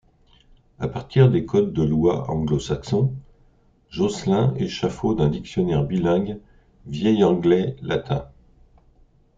À partir des codes de lois anglo-saxons, Joscelyn échafaude un dictionnaire bilingue vieil anglais-latin.